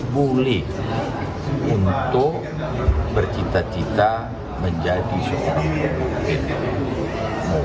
boleh untuk bercita cita menjadi soal gubernur